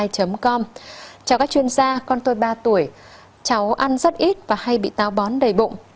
theo các chuyên gia con tôi ba tuổi cháu ăn rất ít và hay bị táo bón đầy bụng